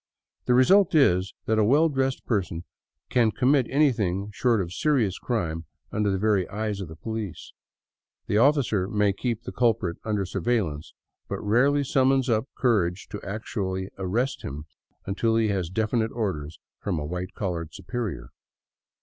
The result is that a well dressed person can commit anything short of serious crime under the very eyes of the police. The officer may keep the culprit under surveillance, but rarely summons up courage actually to arrest him until he has definite orders from a white collared superior.